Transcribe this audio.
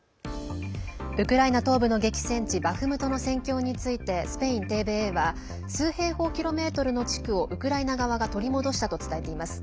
ウクライナ東部の激戦地バフムトの戦況についてスペインＴＶＥは数平方キロメートルの地区をウクライナ側が取り戻したと伝えています。